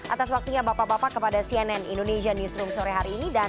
atas waktunya bapak bapak kepada cnn indonesia newsroom sore hari ini